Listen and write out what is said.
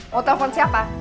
mau telpon siapa